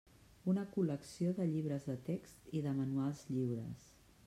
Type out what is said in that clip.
Una col·lecció de llibres de text i de manuals lliures.